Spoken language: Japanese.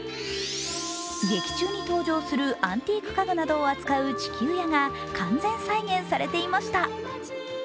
劇中に登場するアンティーク家具などを扱う地球屋が完全再現されていました。